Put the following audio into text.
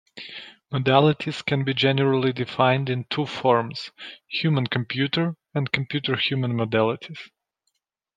Modalities can be generally defined in two forms: human-computer and computer-human modalities.